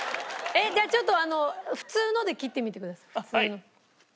じゃあちょっと普通ので切ってみてください。